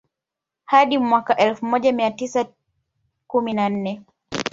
Hadi mwaka elfu moja mia tisa kumi na nne